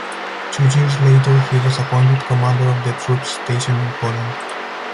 Two years later he was appointed commander of the troops stationed in Poland.